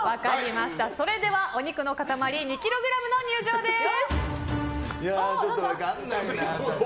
それでは、お肉の塊２ｋｇの入場です。